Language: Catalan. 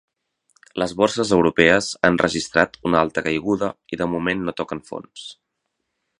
Les borses europees han registrat una altra caiguda i de moment no toquen fons.